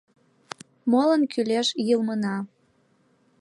Молан кӱлеш йылмына?